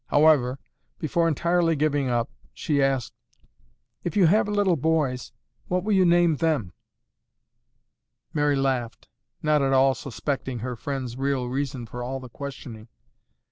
However, before entirely giving up, she asked, "If you have little boys, what will you name them?" Mary laughed, not at all suspecting her friend's real reason for all the questioning.